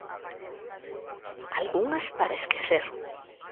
Algunhas para esquecer.